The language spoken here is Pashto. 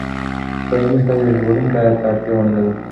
ښایي موږ تل یو ژغورونکي ته اړتیا ونه لرو.